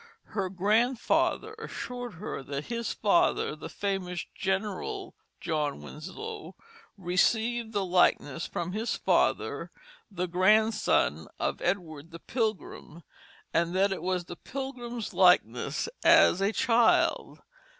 Her grandfather assured her that his father (the famous General John Winslow) received the likeness from his father (the grandson of Edward the Pilgrim), and that it was the Pilgrim's likeness as a child.